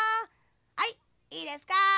はいいいですか？」。